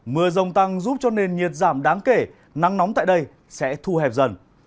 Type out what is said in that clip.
mưa rông tăng giúp cho nền nhiệt giảm đáng kể nắng nóng tại đây sẽ thu hẹp dần